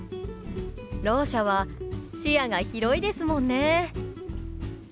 ろう者は視野が広いですもんね。